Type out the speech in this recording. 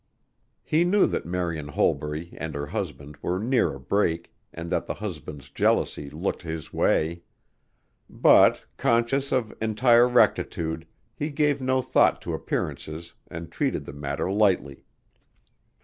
He knew that Marian Holbury and her husband were near a break and that the husband's jealousy looked his way. But, conscious of entire rectitude, he gave no thought to appearances and treated the matter lightly.